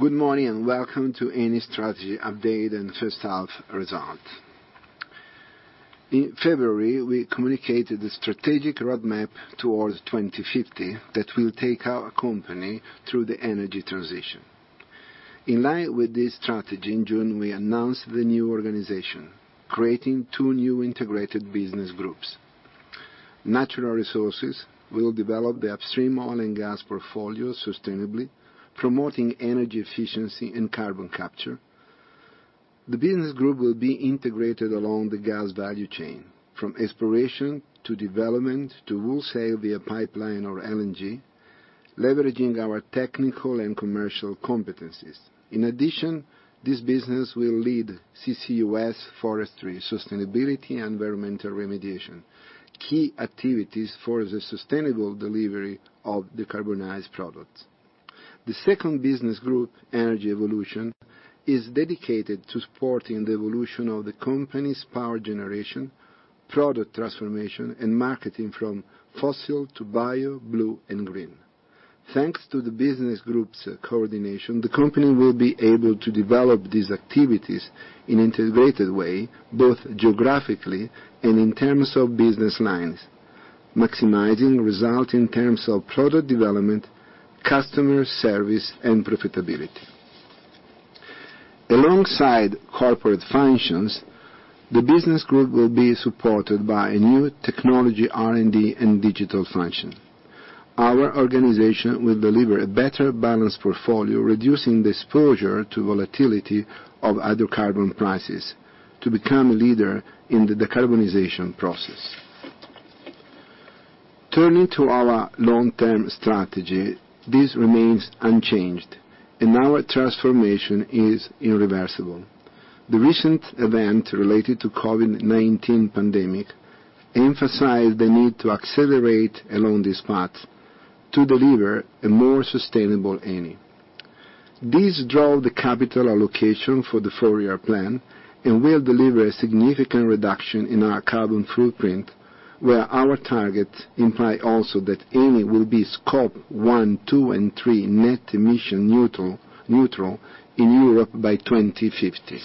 Good morning, and welcome to Eni strategy update and first half results. In February, we communicated the strategic roadmap towards 2050 that will take our company through the energy transition. In line with this strategy, in June, we announced the new organization, creating two new integrated business groups. Natural Resources will develop the upstream oil and gas portfolio sustainably, promoting energy efficiency and carbon capture. The business group will be integrated along the gas value chain, from exploration to development, to wholesale via pipeline or LNG, leveraging our technical and commercial competencies. In addition, this business will lead CCUS forestry, sustainability, and environmental remediation, key activities for the sustainable delivery of decarbonized products. The second business group, Energy Evolution, is dedicated to supporting the evolution of the company's power generation, product transformation, and marketing from fossil to bio, blue, and green. Thanks to the business group's coordination, the company will be able to develop these activities in an integrated way, both geographically and in terms of business lines, maximizing results in terms of product development, customer service, and profitability. Alongside corporate functions, the business group will be supported by a new technology R&D and digital function. Our organization will deliver a better balanced portfolio, reducing the exposure to volatility of hydrocarbon prices to become a leader in the decarbonization process. Turning to our long-term strategy, this remains unchanged, and our transformation is irreversible. The recent event related to COVID-19 pandemic emphasized the need to accelerate along this path to deliver a more sustainable Eni. These draw the capital allocation for the four-year plan and will deliver a significant reduction in our carbon footprint, where our targets imply also that Eni will be Scope one, two, and three net emission neutral in Europe by 2050.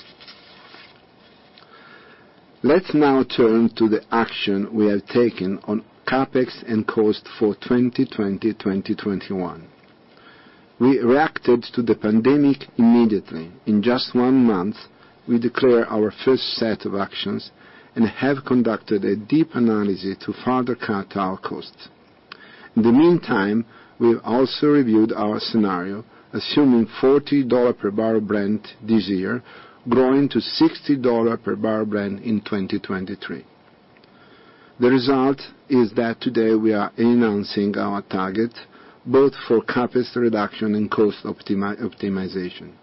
Let's now turn to the action we have taken on CapEx and cost for 2020, 2021. We reacted to the pandemic immediately. In just one month, we declare our first set of actions and have conducted a deep analysis to further cut our costs. In the meantime, we have also reviewed our scenario, assuming $40 per bbl Brent this year, growing to $60 per bbl Brent in 2023. The result is that today we are announcing our target both for CapEx reduction and cost optimization.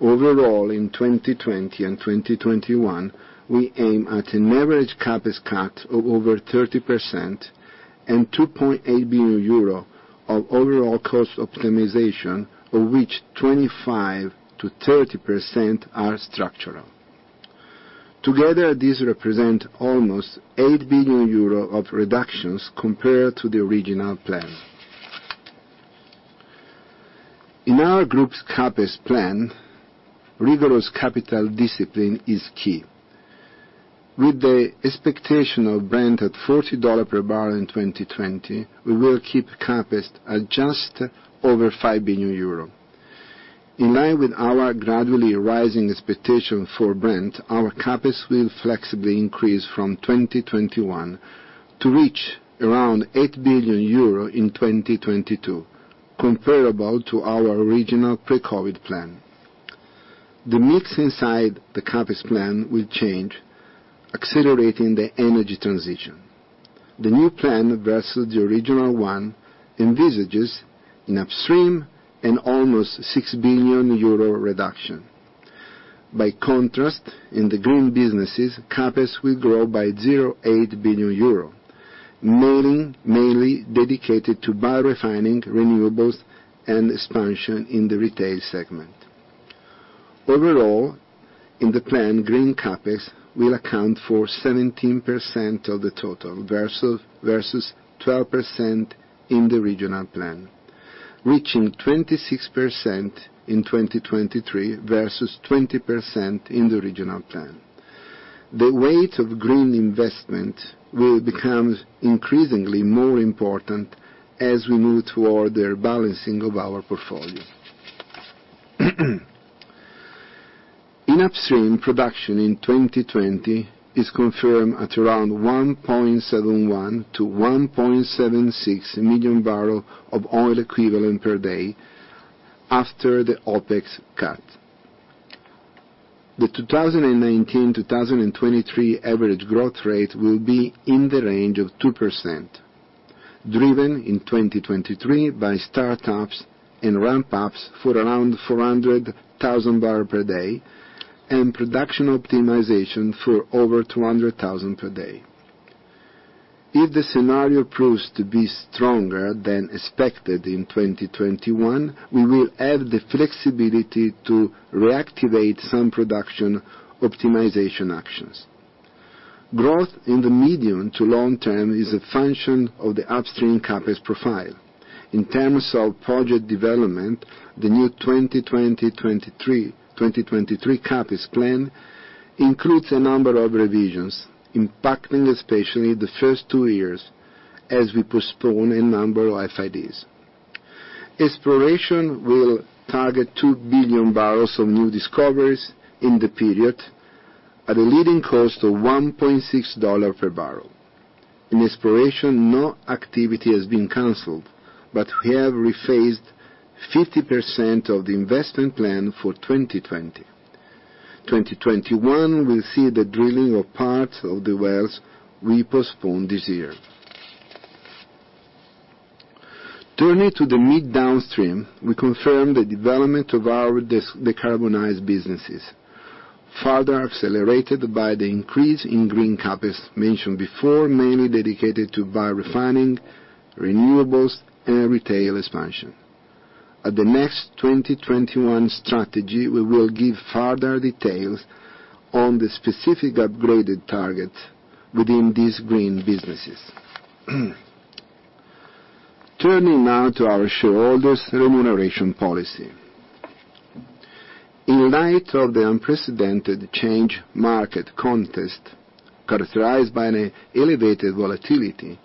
Overall, in 2020 and 2021, we aim at an average CapEx cut of over 30% and 2.8 billion euro of overall cost optimization, of which 25%-30% are structural. Together, these represent almost 8 billion euro of reductions compared to the original plan. In our group's CapEx plan, rigorous capital discipline is key. With the expectation of Brent at $40 per bbl in 2020, we will keep CapEx at just over 5 billion euro. In line with our gradually rising expectation for Brent, our CapEx will flexibly increase from 2021 to reach around 8 billion euro in 2022, comparable to our original pre-COVID plan. The mix inside the CapEx plan will change, accelerating the energy transition. The new plan versus the original one envisages an upstream and almost 6 billion euro reduction. By contrast, in the green businesses, CapEx will grow by 0.8 billion euro, mainly dedicated to biorefining, renewables, and expansion in the retail segment. Overall, in the plan, green CapEx will account for 17% of the total, versus 12% in the original plan, reaching 26% in 2023 versus 20% in the original plan. The weight of green investment will become increasingly more important as we move toward the balancing of our portfolio. In upstream, production in 2020 is confirmed at around 1.71 million-1.76 million bbls of oil equivalent per day after the OpEx cut. The 2019/2023 average growth rate will be in the range of 2%, driven in 2023 by startups and ramp-ups for around 400,000 bbls per day and production optimization for over 200,000 per day. If the scenario proves to be stronger than expected in 2021, we will have the flexibility to reactivate some production optimization actions. Growth in the medium to long term is a function of the upstream CapEx profile. In terms of project development, the new 2020-2023 CapEx plan includes a number of revisions impacting especially the first two years as we postpone a number of FIDs. Exploration will target 2 billion bbls of new discoveries in the period at a leading cost of EUR 1.60 per bbl. In exploration, no activity has been canceled, but we have rephased 50% of the investment plan for 2020. 2021 will see the drilling of parts of the wells we postponed this year. Turning to the mid downstream, we confirm the development of our decarbonized businesses, further accelerated by the increase in green CapEx mentioned before, mainly dedicated to biorefining, renewables, and retail expansion. At the next 2021 strategy, we will give further details on the specific upgraded target within these green businesses. Turning now to our shareholders' remuneration policy. In light of the unprecedented change market context, characterized by an elevated volatility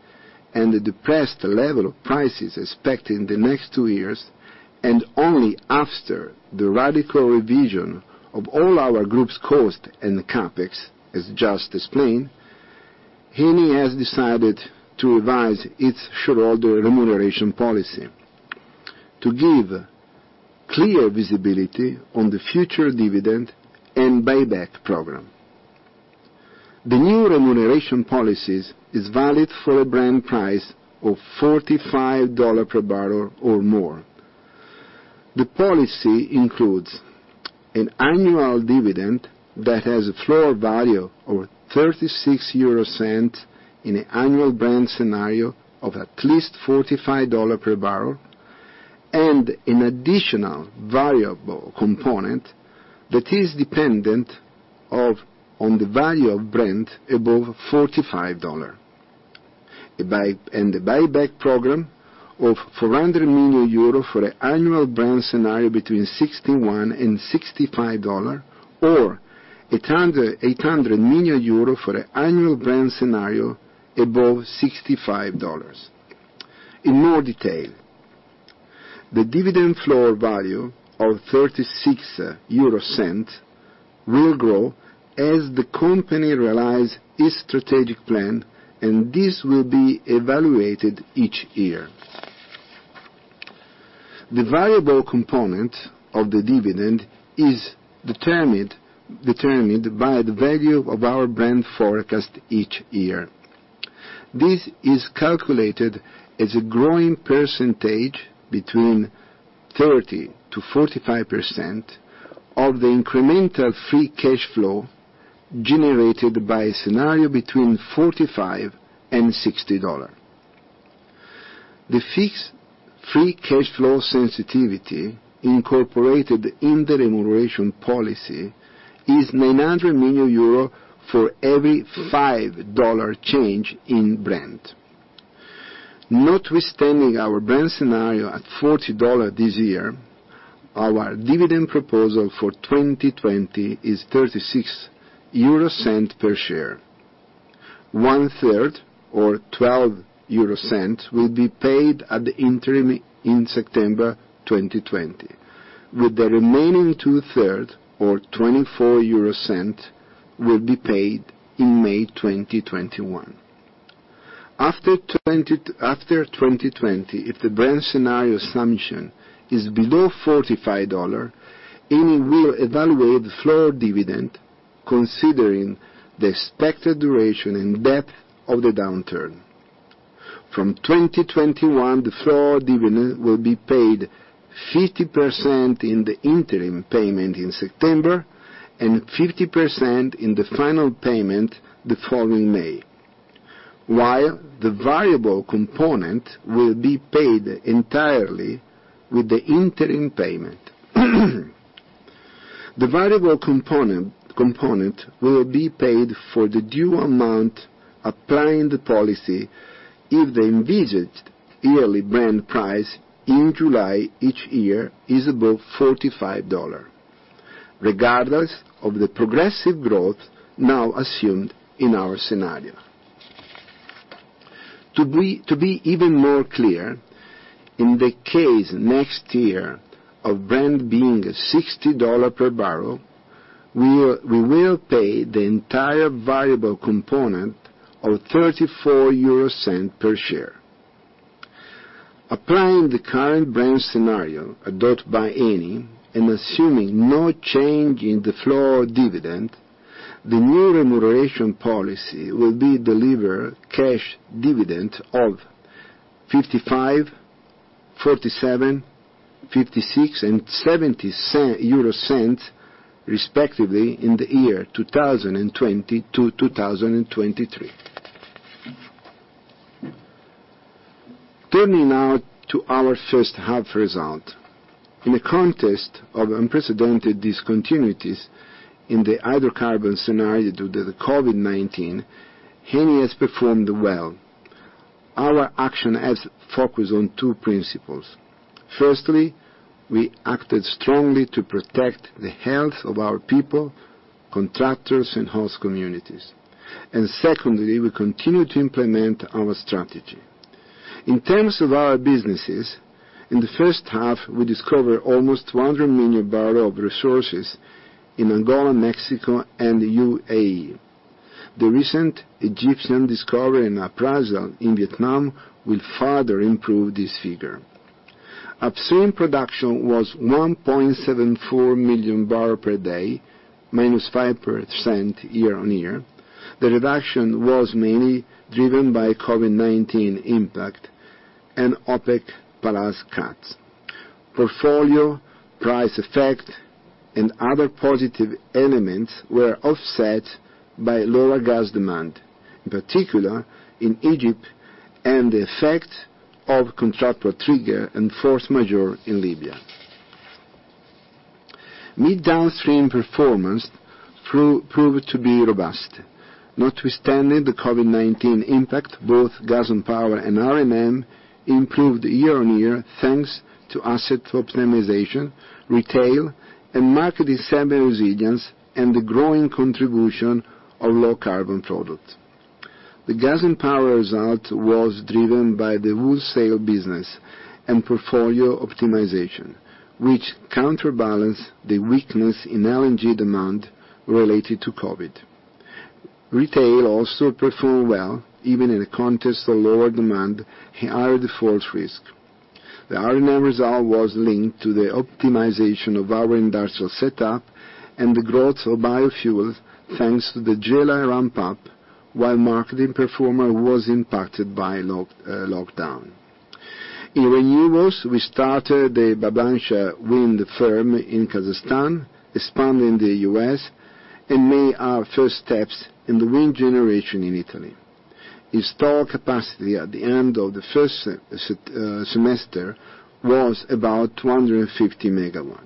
and the depressed level of prices expected in the next two years, and only after the radical revision of all our group's cost and CapEx, as just explained, Eni has decided to revise its shareholder remuneration policy to give clear visibility on the future dividend and buyback program. The new remuneration policy is valid for a Brent price of $45 per bbl or more. The policy includes an annual dividend that has a floor value of 0.36 in an annual Brent scenario of at least $45 per bbl, and an additional variable component that is dependent on the value of Brent above $45, and the buyback program of 400 million euro for an annual Brent scenario between $61-$65, or 800 million euro for an annual Brent scenario above $65. In more detail, the dividend floor value of 0.36 will grow as the company realize its strategic plan, and this will be evaluated each year. The variable component of the dividend is determined by the value of our Brent forecast each year. This is calculated as a growing percentage between 30%-45% of the incremental free cash flow generated by a scenario between $45-$60. The fixed free cash flow sensitivity incorporated in the remuneration policy is 900 million euro for every $5 change in Brent. Notwithstanding our Brent scenario at $40 this year, our dividend proposal for 2020 is 0.36 per share. one third, or 0.12, will be paid at the interim in September 2020, with the remaining 2/3, or 0.24, will be paid in May 2021. After 2020, if the Brent scenario assumption is below $45, Eni will evaluate the floor dividend, considering the expected duration and depth of the downturn. From 2021, the floor dividend will be paid 50% in the interim payment in September and 50% in the final payment the following May, while the variable component will be paid entirely with the interim payment. The variable component will be paid for the due amount applying the policy if the envisaged yearly Brent price in July each year is above $45, regardless of the progressive growth now assumed in our scenario. To be even more clear, in the case next year of Brent being $60 per bbl, we will pay the entire variable component of 0.34 per share. Applying the current Brent scenario adopted by Eni and assuming no change in the floor dividend, the new remuneration policy will be deliver cash dividend of 0.55, 0.47, 0.56, and 0.70 respectively in the year 2020 to 2023. Turning now to our first half result. In the context of unprecedented discontinuities in the hydrocarbon scenario due to the COVID-19, Eni has performed well. Our action has focused on two principles. Firstly, we acted strongly to protect the health of our people, contractors, and host communities. Secondly, we continued to implement our strategy. In terms of our businesses, in the first half, we discovered almost 200 million bbls of resources in Angola, Mexico, and the UAE. The recent Egyptian discovery and appraisal in Vietnam will further improve this figure. Upstream production was 1.74 million bbls per day, minus 5% year-on-year. The reduction was mainly driven by COVID-19 impact and OPEC+ cuts. Portfolio, price effect, and other positive elements were offset by lower gas demand, in particular in Egypt, and the effect of contractual trigger and force majeure in Libya. Mid-downstream performance proved to be robust. Notwithstanding the COVID-19 impact, both Gas & Power and R&M improved year-on-year, thanks to asset optimization, retail, and marketing segment resilience, and the growing contribution of low carbon products. The Gas & Power result was driven by the wholesale business and portfolio optimization, which counterbalanced the weakness in LNG demand related to COVID-19. Retail also performed well, even in the context of lower demand and higher default risk. The R&M result was linked to the optimization of our industrial setup and the growth of biofuels, thanks to the Gela ramp-up, while marketing performance was impacted by lockdown. In Renewables, we started the Badamsha wind farm in Kazakhstan, expanded in the U.S., and made our first steps in the wind generation in Italy. Installed capacity at the end of the first semester was about 250 MW.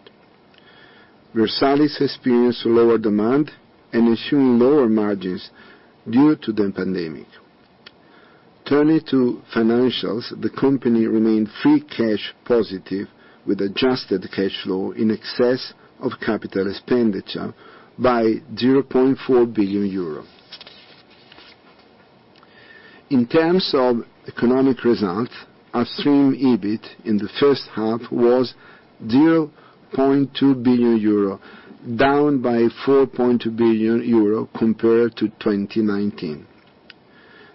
Versalis experienced lower demand and ensuing lower margins due to the pandemic. Turning to financials, the company remained free cash positive with adjusted cash flow in excess of CapEx by EUR 0.4 billion. In terms of economic results, upstream EBIT in the first half was 0.2 billion euro, down by 4.2 billion euro compared to 2019.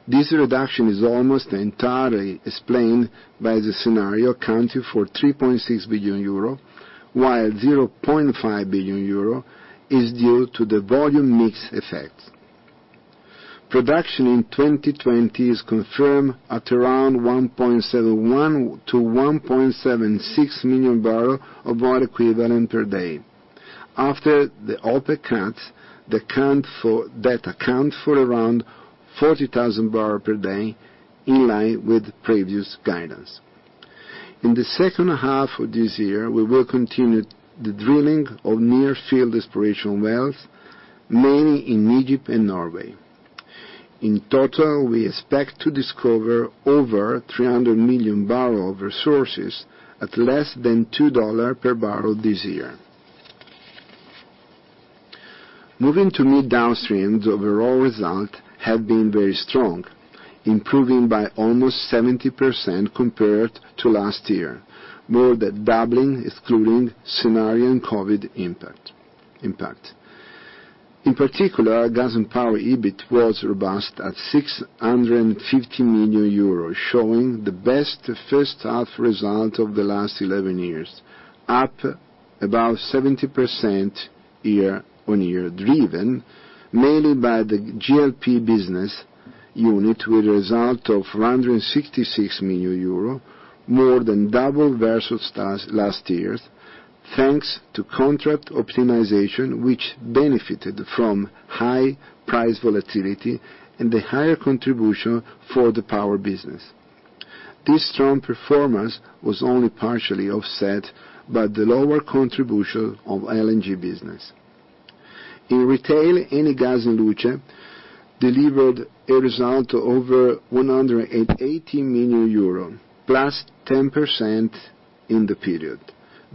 This reduction is almost entirely explained by the scenario accounting for 3.6 billion euro, while 0.5 billion euro is due to the volume mix effect. Production in 2020 is confirmed at around 1.71 to 1.76 million bbl of oil equivalent per day. After the OPEC cuts, that account for around 40,000 bbl per day, in line with previous guidance. In the second half of this year, we will continue the drilling of near-field exploration wells, mainly in Egypt and Norway. In total, we expect to discover over 300 million bbls of resources at less than $2 per bbl this year. Moving to mid downstream, the overall result has been very strong, improving by almost 70% compared to last year, more than doubling excluding scenario and COVID impact. In particular, Gas & Power EBIT was robust at 650 million euros, showing the best first half result of the last 11 years, up about 70% year-on-year, driven mainly by the GLP business unit with a result of 166 million euro, more than double versus last year's, thanks to contract optimization, which benefited from high price volatility and the higher contribution for the power business. This strong performance was only partially offset by the lower contribution of LNG business. In retail, Eni gas e luce delivered a result of over 180 million euro, plus 10% in the period,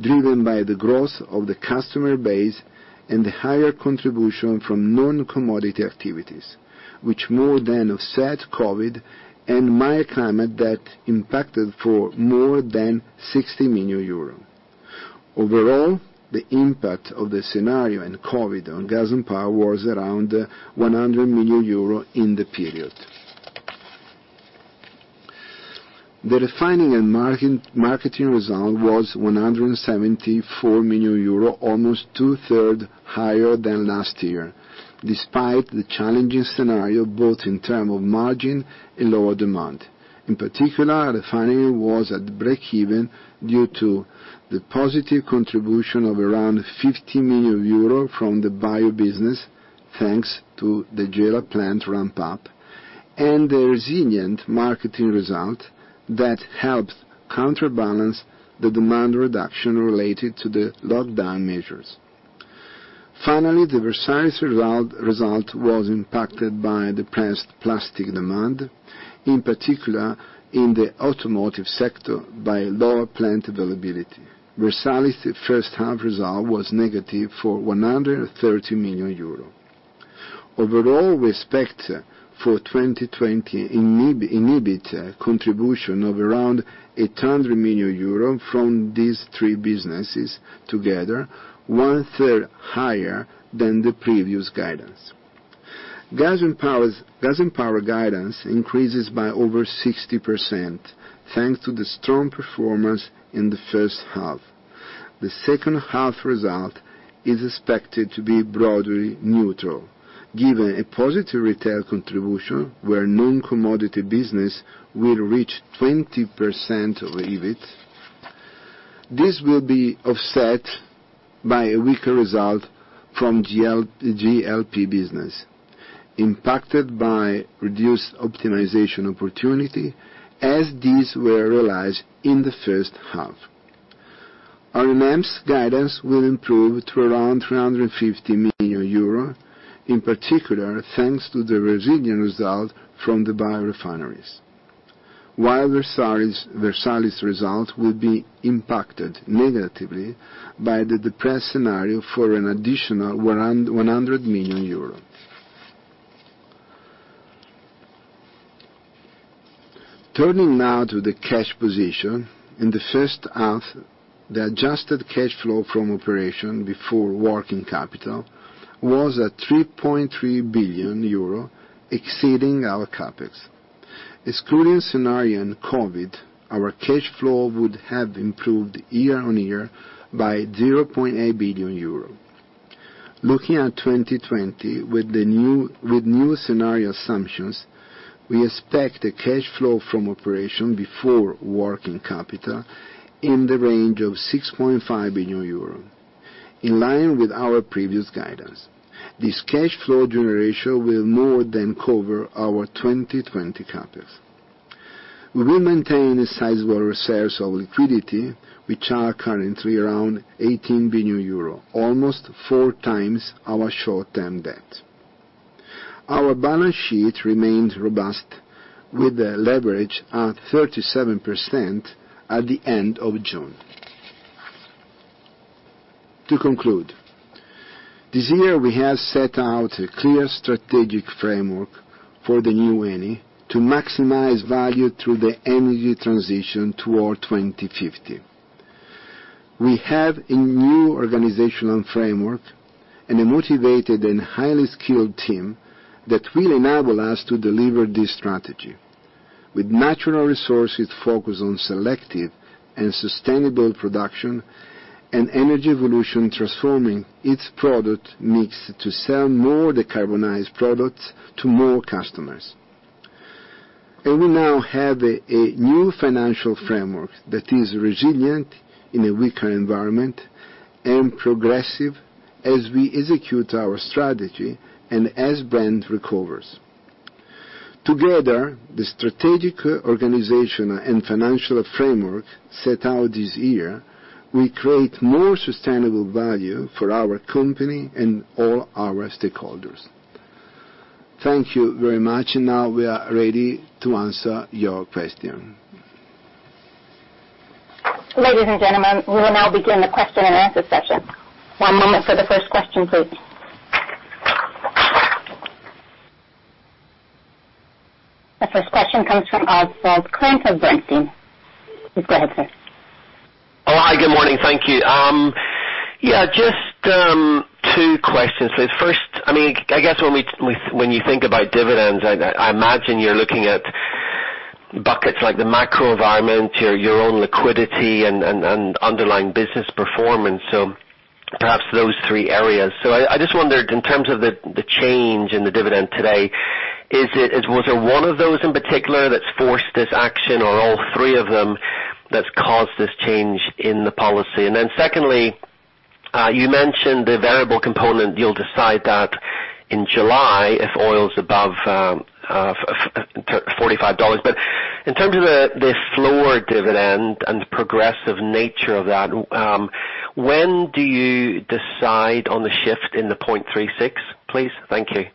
driven by the growth of the customer base and the higher contribution from non-commodity activities, which more than offset COVID and mild climate that impacted for more than 60 million euro. Overall, the impact of the scenario and COVID on Gas & Power was around 100 million euro in the period. The refining and marketing result was 174 million euro, almost two-third higher than last year, despite the challenging scenario both in term of margin and lower demand. In particular, refining was at breakeven due to the positive contribution of around 50 million euro from the bio business, thanks to the Gela plant ramp-up. The resilient marketing result that helped counterbalance the demand reduction related to the lockdown measures. Finally, the Versalis result was impacted by depressed plastic demand, in particular in the automotive sector, by lower plant availability. Versalis first half result was negative for 130 million euro. Overall, we expect for 2020 an EBIT contribution of around 800 million euros from these three businesses together, one-third higher than the previous guidance. Gas & Power guidance increases by over 60%, thanks to the strong performance in the first half. The second half result is expected to be broadly neutral, given a positive retail contribution, where non-commodity business will reach 20% of EBIT. This will be offset by a weaker result from GLP business, impacted by reduced optimization opportunity, as these were realized in the first half. R&M's guidance will improve to around 350 million euro, in particular, thanks to the resilient result from the biorefineries. Versalis result will be impacted negatively by the depressed scenario for an additional 100 million euros. Turning now to the cash position. In the first half, the adjusted cash flow from operation before working capital was at 3.3 billion euro, exceeding our CapEx. Excluding scenario and COVID, our cash flow would have improved year-on-year by 0.8 billion euro. Looking at 2020 with new scenario assumptions, we expect a cash flow from operation before working capital in the range of 6.5 billion euro, in line with our previous guidance. This cash flow generation will more than cover our 2020 CapEx. We will maintain a sizable reserves of liquidity, which are currently around 18 billion euro, almost 4x our short-term debt. Our balance sheet remains robust with the leverage at 37% at the end of June. To conclude, this year we have set out a clear strategic framework for the new Eni to maximize value through the energy transition toward 2050. We have a new organizational framework and a motivated and highly skilled team that will enable us to deliver this strategy. With Natural Resources focused on selective and sustainable production and Energy Evolution transforming its product mix to sell more decarbonized products to more customers. We now have a new financial framework that is resilient in a weaker environment and progressive as we execute our strategy and as Brent recovers. Together, the strategic organization and financial framework set out this year, will create more sustainable value for our company and all our stakeholders. Thank you very much. Now we are ready to answer your question. Ladies and gentlemen, we will now begin the question and answer session. One moment for the first question, please. The first question comes from Oswald Clint of Bernstein. Please go ahead, sir. Hi, good morning. Thank you. Just two questions. First, I guess when you think about dividends, I imagine you're looking at buckets like the macro environment, your own liquidity, and underlying business performance. Perhaps those three areas. I just wondered, in terms of the change in the dividend today, was it one of those in particular that's forced this action, or all three of them that's caused this change in the policy? Secondly, you mentioned the variable component. You'll decide that in July if oil's above $45. In terms of the floor dividend and the progressive nature of that, when do you decide on the shift in the 0.36, please? Thank you.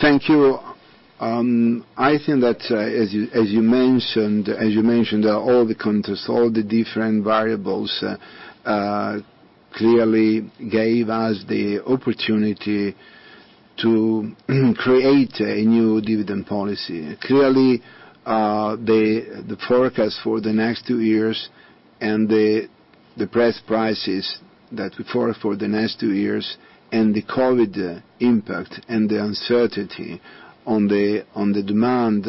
Thank you. I think that, as you mentioned, all the context, all the different variables clearly gave us the opportunity to create a new dividend policy. The forecast for the next two years and the depressed prices that we forecast for the next two years and the COVID-19 impact and the uncertainty on the demand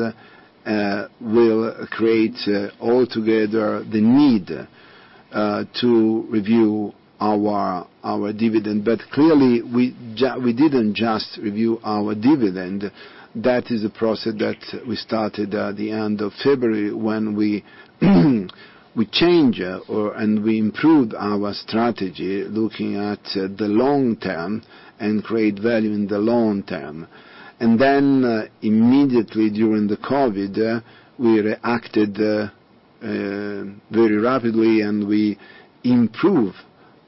will create altogether the need to review our dividend. We didn't just review our dividend. That is a process that we started at the end of February when we changed, and we improved our strategy looking at the long term and create value in the long term. Immediately during the COVID-19, we reacted very rapidly, and we improved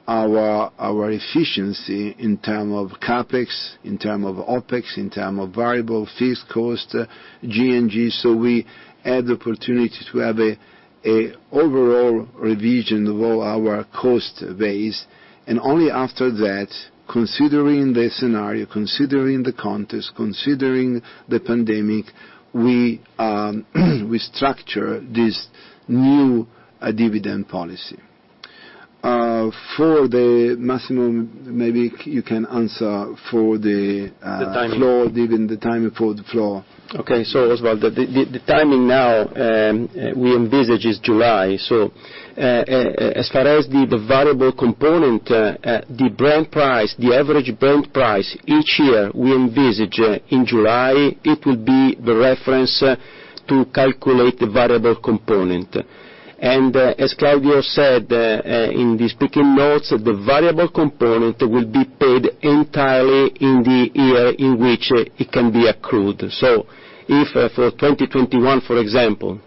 our efficiency in term of CapEx, in term of OpEx, in term of variable fixed cost, G&Gs. We had the opportunity to have a overall revision of all our cost base. Only after that, considering the scenario, considering the context, considering the pandemic, we structure this new dividend policy. For the Massimo, maybe you can answer. The timing. floor dividend, the timing for the floor. Okay. Oswald, the timing now we envisage is July. As far as the variable component, the Brent price, the average Brent price each year we envisage in July, it will be the reference to calculate the variable component. As Claudio said in the speaking notes, the variable component will be paid entirely in the year in which it can be accrued. If for 2021, for example,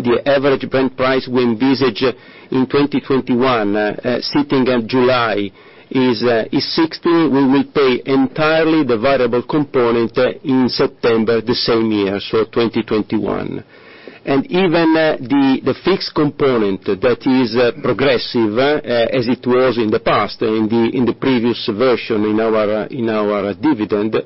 the average Brent price we envisage in 2021, sitting in July is 16, we will pay entirely the variable component in September the same year, so 2021. Even the fixed component that is progressive as it was in the past, in the previous version in our dividend,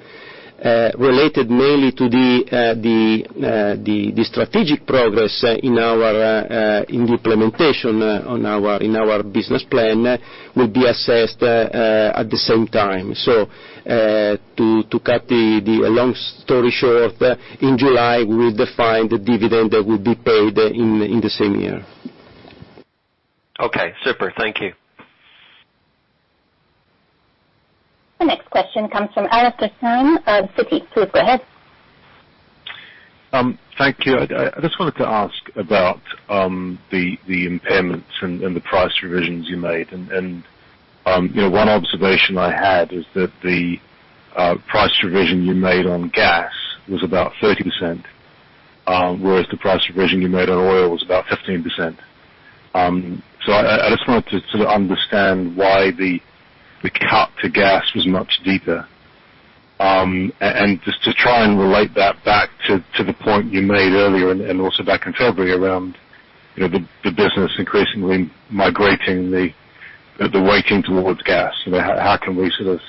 related mainly to the strategic progress in the implementation in our business plan, will be assessed at the same time. To cut the long story short, in July, we'll define the dividend that will be paid in the same year. Okay, super. Thank you. The next question comes from Alastair Syme of Citi. Please go ahead. Thank you. I just wanted to ask about the impairments and the price revisions you made. One observation I had is that the price revision you made on gas was about 30%, whereas the price revision you made on oil was about 15%. I just wanted to sort of understand why the cut to gas was much deeper. Just to try and relate that back to the point you made earlier and also back in February around the business increasingly migrating the weighting towards gas, how can we sort of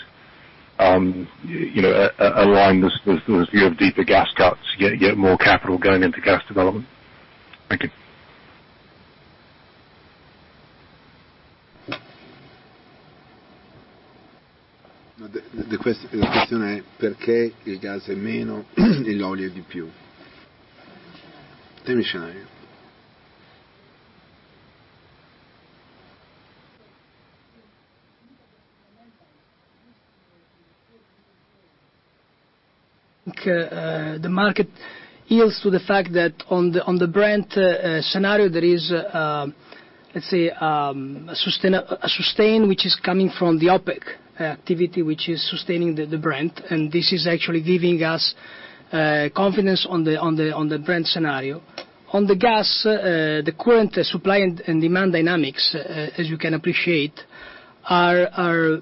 align this view of deeper gas cuts to get more capital going into gas development? Thank you. The market yields to the fact that on the Brent scenario, there is, let's say, a sustain which is coming from the OPEC activity, which is sustaining the Brent. This is actually giving us confidence on the Brent scenario. On the gas, the current supply and demand dynamics, as you can appreciate, are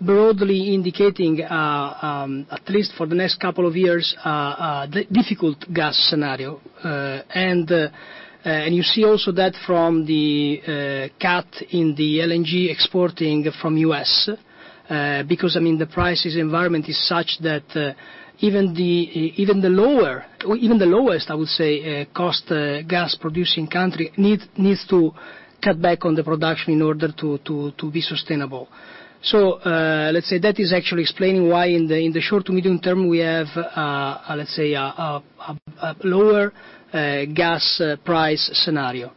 broadly indicating, at least for the next couple of years, a difficult gas scenario. You see also that from the cut in the LNG exporting from the U.S., because the price environment is such that even the lowest, I would say, cost gas producing country needs to cut back on the production in order to be sustainable. Let's say that is actually explaining why in the short to medium term, we have a lower gas price scenario.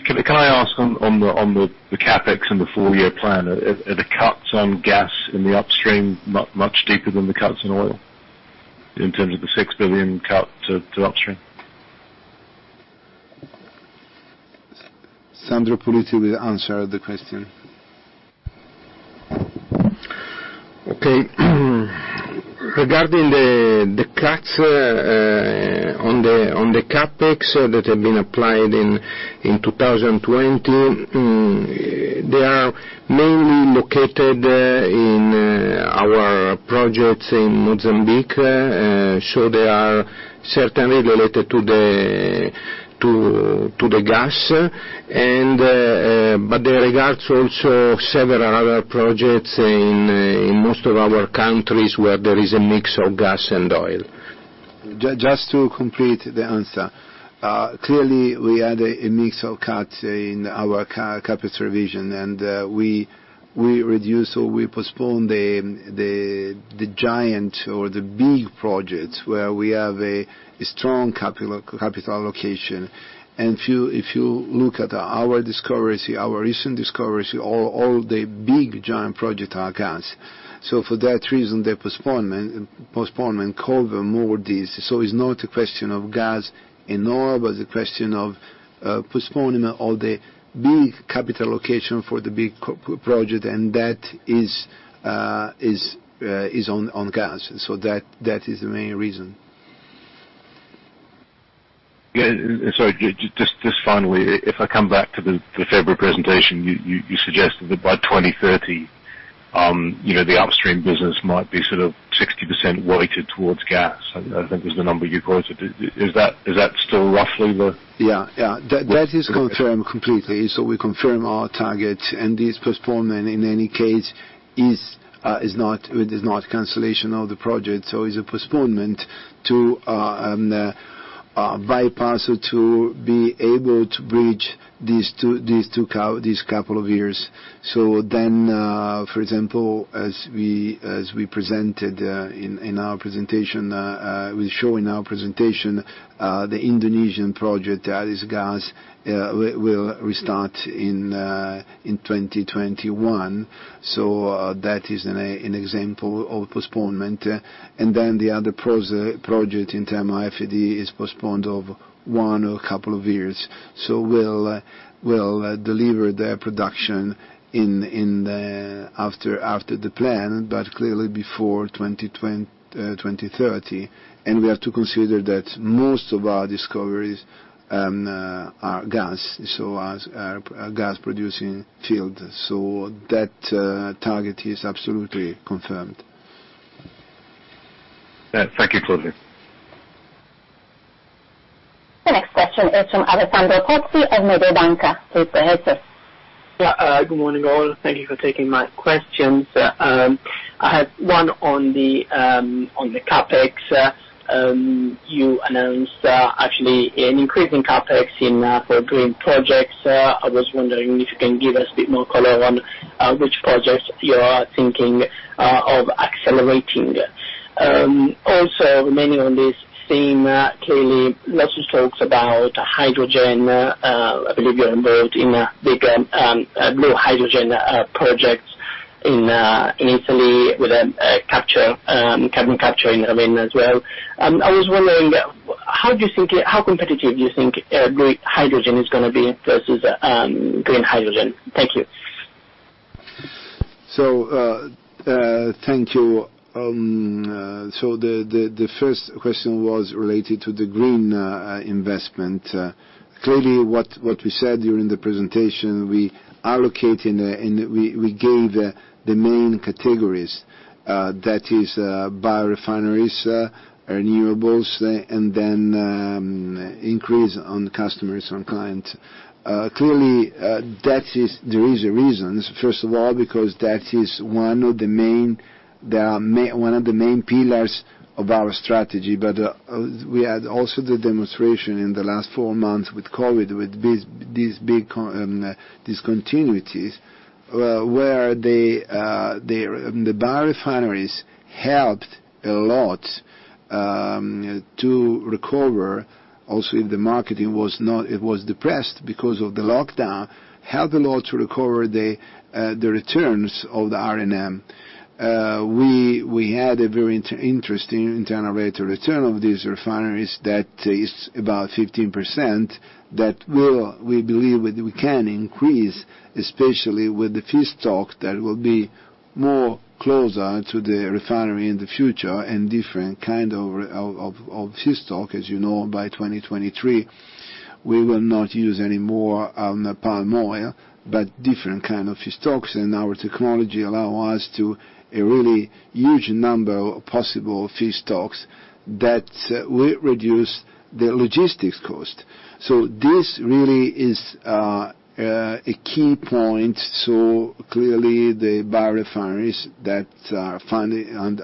Can I ask on the CapEx and the four-year plan, are the cuts on gas in the upstream much deeper than the cuts in oil, in terms of the 6 billion cut to upstream? Sandro Puliti will answer the question. Okay. Regarding the cuts on the CapEx that have been applied in 2020, they are mainly located in our projects in Mozambique, so they are certainly related to the gas. They regard also several other projects in most of our countries, where there is a mix of gas and oil. Just to complete the answer. Clearly, we had a mix of cuts in our capital revision, and we reduced, or we postponed the giant or the big projects where we have a strong capital allocation. If you look at our recent discovery, all the big giant project are gas. For that reason, the postponement cover more of these. It's not a question of gas and oil, but the question of postponing all the big capital allocation for the big project, and that is on gas. That is the main reason. Yeah. Sorry, just finally, if I come back to the February presentation, you suggested that by 2030, the upstream business might be 60% weighted towards gas, I think was the number you quoted. Is that still roughly the- Yeah. That is confirmed completely. We confirm our target, and this postponement, in any case, is not cancellation of the project. Is a postponement to bypass to be able to bridge these two couple of years. For example, as we presented in our presentation, we show in our presentation, the Indonesian project, that is gas, will restart in 2021. That is an example of postponement. The other project in term, IFD, is postponed of one or a couple of years. We'll deliver their production after the plan, but clearly before 2030. We have to consider that most of our discoveries are gas, so are gas-producing fields. That target is absolutely confirmed. Thank you, Claudio. The next question is from Alessandro Pozzi of Mediobanca. Please go ahead, sir. Good morning, all. Thank you for taking my questions. I had one on the CapEx. You announced, actually, an increase in CapEx in for green projects. I was wondering if you can give us a bit more color on which projects you are thinking of accelerating. Remaining on this theme, clearly lots of talks about hydrogen. I believe you are involved in a big blue hydrogen projects in Italy with a carbon capture in Ravenna as well. I was wondering, how competitive do you think grey hydrogen is going to be versus green hydrogen? Thank you. Thank you. The first question was related to the green investment. Clearly, what we said during the presentation, we allocate and we gave the main categories, that is biorefineries, renewables, and then increase on customers, on client. Clearly, there is a reason. First of all, because that is one of the main pillars of our strategy. We had also the demonstration in the last four months with COVID, with these big discontinuities, where the biorefineries helped a lot to recover, also if the marketing was depressed because of the lockdown, helped a lot to recover the returns of the R&M. We had a very interesting internal rate of return of these refineries that is about 15%, that we believe we can increase, especially with the feedstock that will be more closer to the refinery in the future and different kind of feedstock. As you know, by 2023, we will not use any more of palm oil, but different kind of feedstocks. Our technology allow us to a really huge number of possible feedstocks that will reduce the logistics cost. This really is a key point. Clearly, the biorefineries that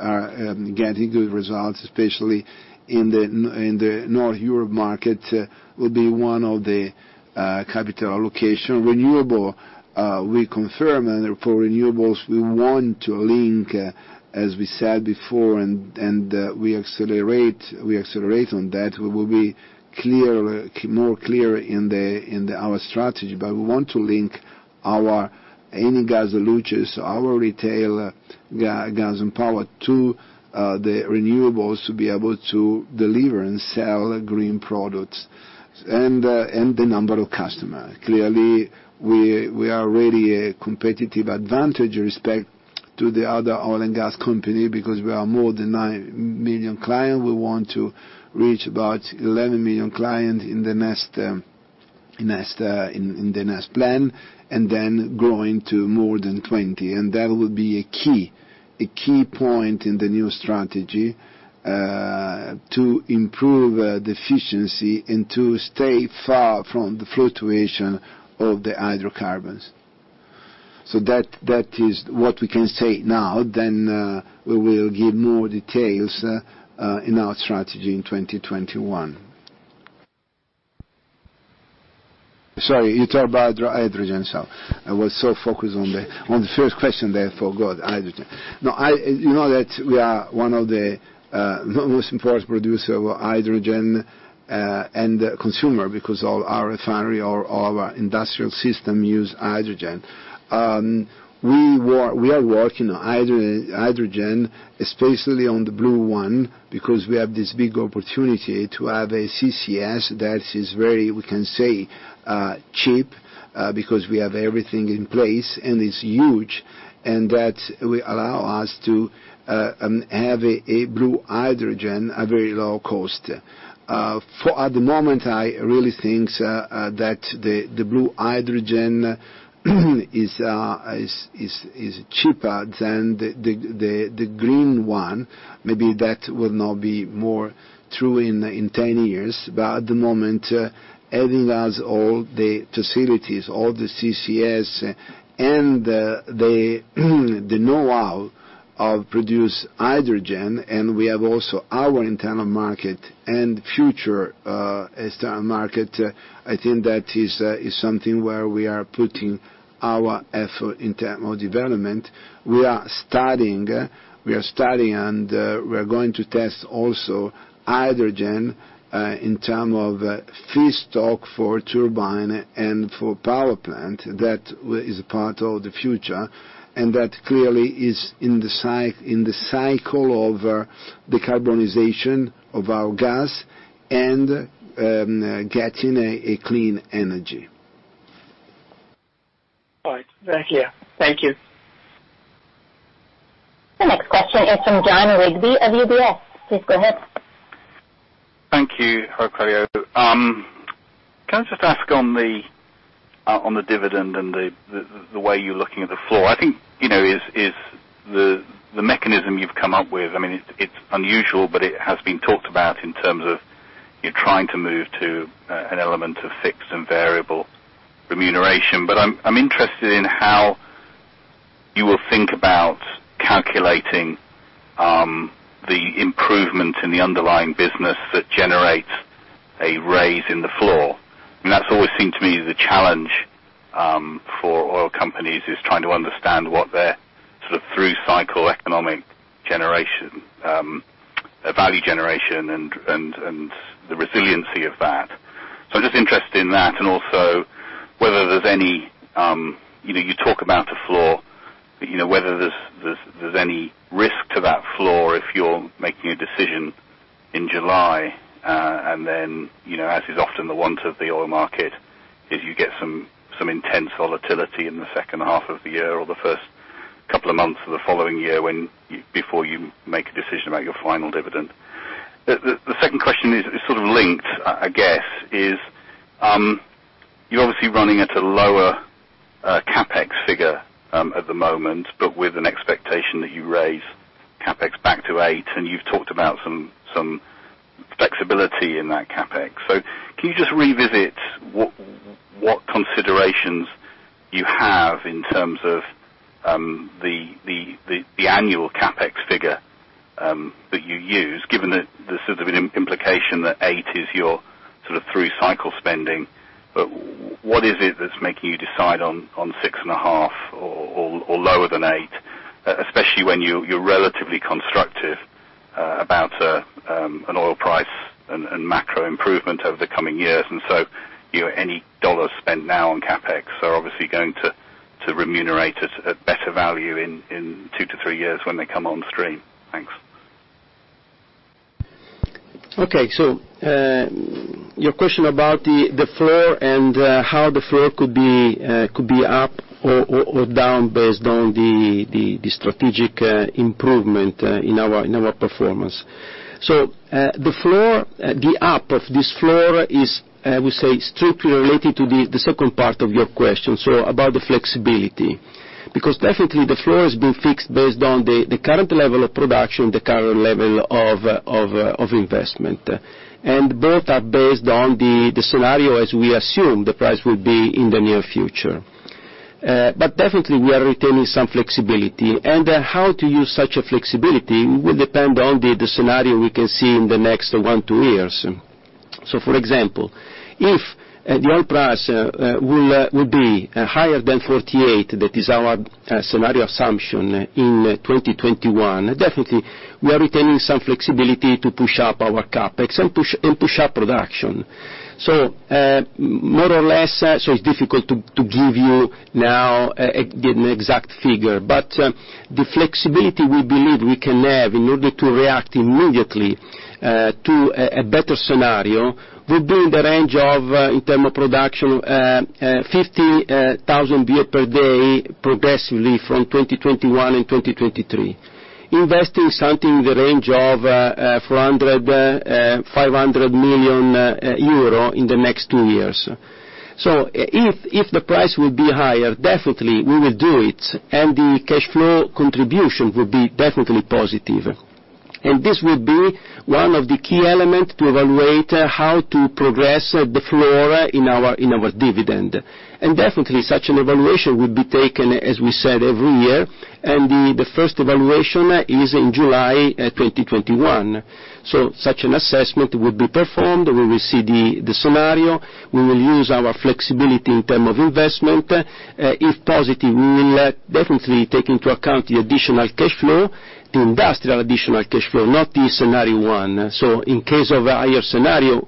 are getting good results, especially in the North Europe market, will be one of the capital allocation. Renewable, we confirm, and for renewables, we want to link, as we said before, and we accelerate on that. We will be more clear in our strategy, but we want to link our Eni gas e luce, our retail gas and power, to the renewables to be able to deliver and sell green products. The number of customer. Clearly, we are already a competitive advantage respect to the other oil and gas company because we are more than nine million client. We want to reach about 11 million client in the next plan, and then growing to more than 20. That will be a key point in the new strategy, to improve the efficiency and to stay far from the fluctuation of the hydrocarbons. That is what we can say now. We will give more details in our strategy in 2021. Sorry, you talked about hydrogen. I was so focused on the first question that I forgot hydrogen. You know that we are one of the most important producer of hydrogen and consumer because all our refinery, all our industrial system use hydrogen. We are working on hydrogen, especially on the blue one, because we have this big opportunity to have a CCS that is very, we can say, cheap, because we have everything in place, and it's huge, and that will allow us to have a blue hydrogen at very low cost. At the moment, I really think that the blue hydrogen is cheaper than the green one. Maybe that will now be more true in 10 years. At the moment, having as all the facilities, all the CCS, and the know-how of produced hydrogen, and we have also our internal market and future external market, I think that is something where we are putting our effort in term of development. We are studying, and we are going to test also hydrogen, in term of feedstock for turbine and for power plant. That is a part of the future, and that clearly is in the cycle of decarbonization of our gas and getting a clean energy. All right. Thank you. The next question is from Jon Rigby of UBS. Please go ahead. Thank you. Hello, Claudio. Can I just ask on the dividend and the way you're looking at the floor. I think is the mechanism you've come up with, it's unusual, but it has been talked about in terms of you're trying to move to an element of fixed and variable remuneration. But I'm interested in how you will think about calculating the improvement in the underlying business that generates a raise in the floor. That's always seemed to me the challenge for oil companies is trying to understand what their sort of through cycle economic generation, value generation, and the resiliency of that. I'm just interested in that and also whether there's any, you talk about the floor, whether there's any risk to that floor if you're making a decision in July, and then, as is often the want of the oil market, is you get some intense volatility in the second half of the year or the first couple of months of the following year before you make a decision about your final dividend. The second question is sort of linked, I guess, is you're obviously running at a lower CapEx figure at the moment, but with an expectation that you raise CapEx back to eight, and you've talked about some flexibility in that CapEx. Can you just revisit what considerations you have in terms of the annual CapEx figure that you use, given that there's sort of an implication that eight is your sort of through-cycle spending. What is it that's making you decide on six and a half or lower than eight, especially when you're relatively constructive about an oil price and macro improvement over the coming years? Any euros spent now on CapEx are obviously going to remunerate at better value in two to three years when they come on stream. Thanks. Okay. Your question about the floor and how the floor could be up or down based on the strategic improvement in our performance. The up of this floor is, I would say, strictly related to the second part of your question, so about the flexibility. Definitely the floor has been fixed based on the current level of production, the current level of investment. Both are based on the scenario as we assume the price will be in the near future. Definitely we are retaining some flexibility. How to use such a flexibility will depend on the scenario we can see in the next one, two years. For example, if the oil price will be higher than $48, that is our scenario assumption in 2021, definitely we are retaining some flexibility to push up our CapEx and push up production. More or less, so it's difficult to give you now an exact figure, but the flexibility we believe we can have in order to react immediately to a better scenario will be in the range of, in term of production, 50,000 bbl per day progressively from 2021 and 2023, investing something in the range of 400 million-500 million euro in the next two years. If the price will be higher, definitely we will do it, and the cash flow contribution will be definitely positive. This will be one of the key elements to evaluate how to progress the floor in our dividend. Definitely such an evaluation will be taken, as we said, every year, and the first evaluation is in July 2021. Such an assessment will be performed, we will see the scenario, we will use our flexibility in term of investment. If positive, we will definitely take into account the additional cash flow, the industrial additional cash flow, not the scenario one. In case of a higher scenario,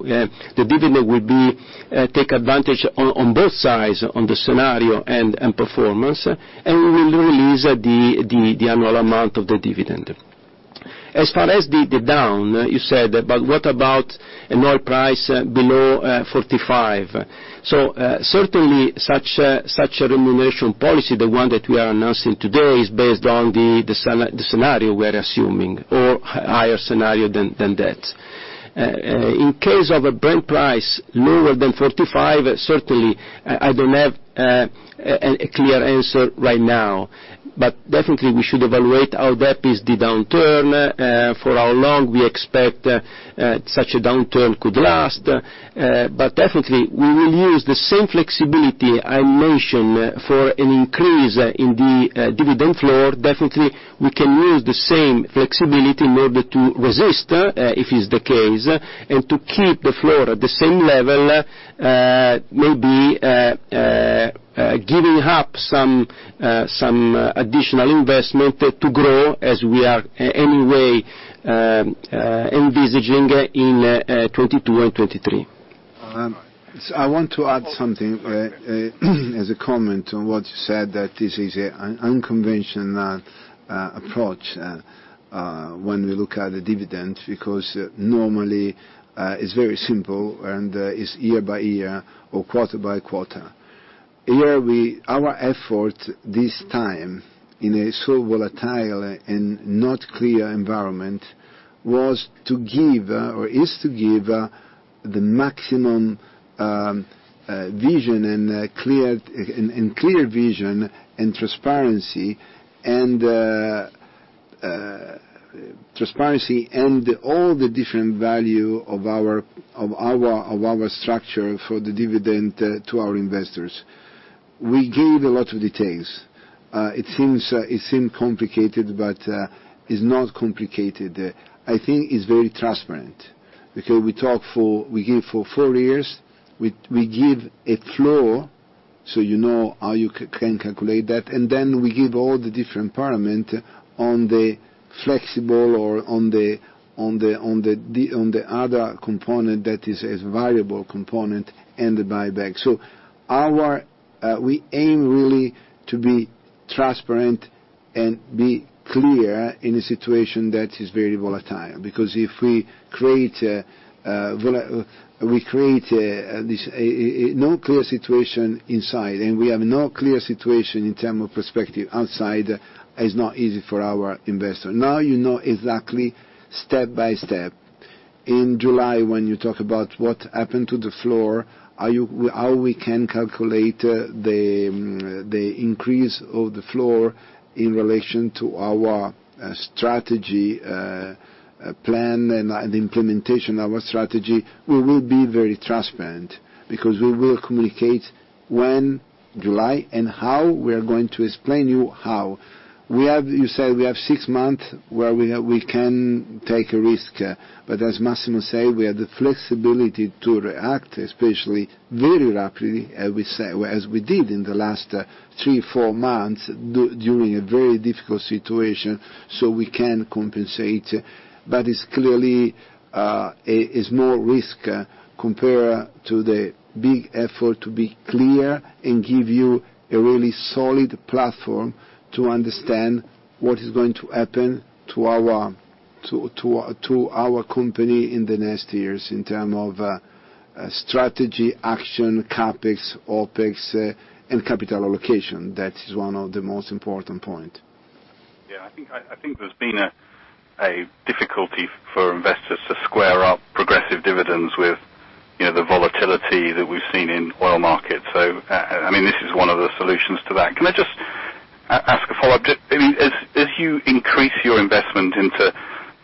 the dividend will take advantage on both sides, on the scenario and performance, and we will release the annual amount of the dividend. As far as the down, you said, but what about an oil price below $45? Certainly, such a remuneration policy, the one that we are announcing today, is based on the scenario we are assuming, or higher scenario than that. In case of a Brent price lower than $45, certainly, I don't have a clear answer right now. Definitely we should evaluate how that is the downturn, for how long we expect such a downturn could last. Definitely, we will use the same flexibility I mentioned for an increase in the dividend floor. Definitely, we can use the same flexibility in order to resist, if it's the case, and to keep the floor at the same level, maybe giving up some additional investment to grow as we are anyway envisaging in 2022 and 2023. I want to add something as a comment on what you said, that this is an unconventional approach when we look at the dividend. Normally it's very simple, it's year by year or quarter by quarter. Here, our effort this time in a so volatile and not clear environment, was to give, or is to give the maximum vision and clear vision and transparency, all the different value of our structure for the dividend to our investors. We gave a lot of details. It seemed complicated, it's not complicated. I think it's very transparent because we gave four years. We give a floor, so you know how you can calculate that, then we give all the different parameter on the flexible or on the other component that is as variable component and the buyback. We aim really to be transparent and be clear in a situation that is very volatile because if we create a non-clear situation inside and we have no clear situation in terms of perspective outside, it's not easy for our investor. Now you know exactly step by step. In July, when you talk about what happened to the floor, how we can calculate the increase of the floor in relation to our strategy plan and the implementation of our strategy, we will be very transparent because we will communicate when, July, and how, we are going to explain you how. You say we have six months where we can take a risk, but as Massimo said, we have the flexibility to react, especially very rapidly, as we did in the last three, four months, during a very difficult situation, so we can compensate. It's clearly a small risk compared to the big effort to be clear and give you a really solid platform to understand what is going to happen to our company in the next years in terms of strategy, action, CapEx, OpEx, and capital allocation. That is one of the most important point. Yeah, I think there's been a difficulty for investors to square up progressive dividends with the volatility that we've seen in oil markets. This is one of the solutions to that. Can I just ask a follow-up? As you increase your investment into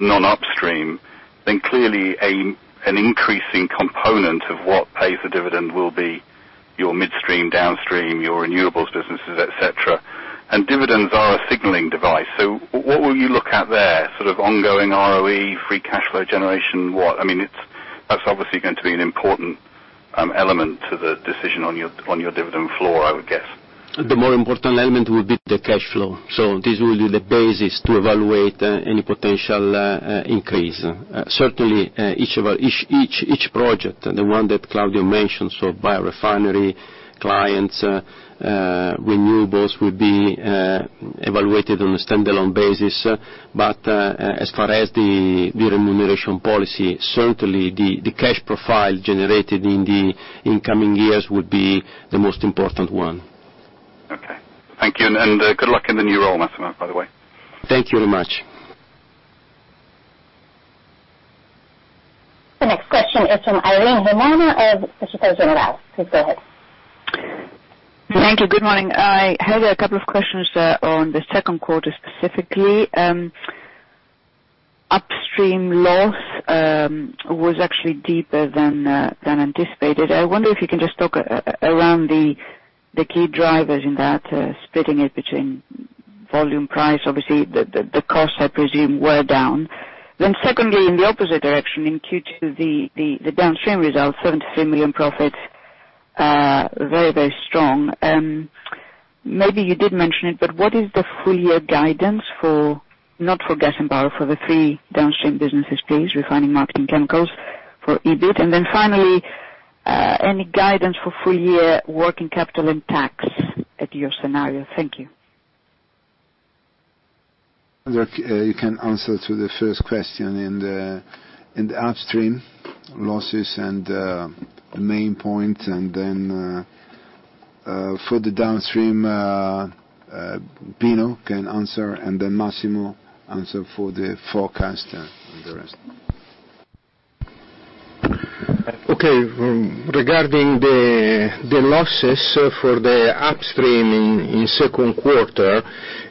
non-upstream, then clearly an increasing component of what pays the dividend will be your midstream, downstream, your renewables businesses, et cetera. Dividends are a signaling device. What will you look at there? Sort of ongoing ROE, free cash flow generation, what? That's obviously going to be an important element to the decision on your dividend floor, I would guess. The more important element will be the cash flow. This will be the basis to evaluate any potential increase. Certainly, each project, the one that Claudio mentioned, biorefinery, clients, renewables, will be evaluated on a standalone basis. As far as the remuneration policy, certainly the cash profile generated in the incoming years would be the most important one. Okay. Thank you. Good luck in the new role, Massimo, by the way. Thank you very much. The next question is from Irene Himona of Société Générale. Please go ahead. Thank you. Good morning. I have a couple of questions on the second quarter, specifically. Upstream loss was actually deeper than anticipated. I wonder if you can just talk around the key drivers in that, splitting it between volume, price, obviously, the cost, I presume, were down. Secondly, in the opposite direction in Q2, the downstream results, 73 million profit are very, very strong. Maybe you did mention it, but what is the full year guidance not for Gas & Power, for the three downstream businesses, please, Refining, Marketing, Chemicals for EBIT? Then finally, any guidance for full year working capital and tax at your scenario? Thank you. You can answer to the first question in the upstream losses and the main point, and then for the downstream, Pino can answer, and then Massimo answer for the forecast and the rest. Regarding the losses for the upstream in second quarter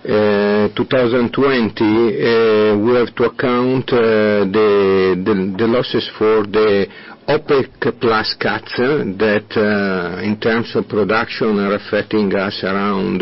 2020, we have to account the losses for the OPEC+ cuts that, in terms of production, are affecting us around